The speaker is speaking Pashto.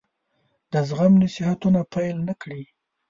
د زغم نصيحتونه پیل نه کړي.